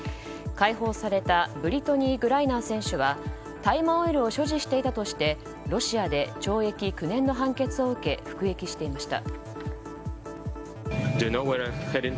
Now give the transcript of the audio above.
解放されたブリトニー・グライナー選手は大麻オイルを所持していたとしてロシアで懲役９年の判決を受け服役していました。